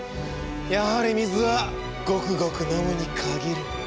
やはり水はごくごく飲むに限る！